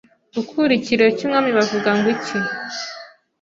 Gukurikiriyo cy’umwami bavuga ngwiki